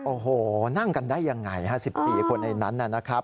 โอ้โหนั่งกันได้อย่างไรฮะ๑๔คนในนั้นน่ะนะครับ